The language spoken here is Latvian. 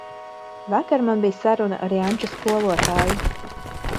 Vakar man bija saruna ar Janča skolotāju.